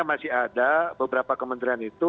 masih ada beberapa kementerian itu